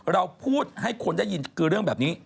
เราพูดให้คนได้ยินคือเรื่องแบบนี้